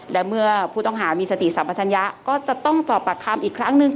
และเมื่อผู้ต้องหามีสติสัมปัชญะก็จะต้องสอบปากคำอีกครั้งหนึ่ง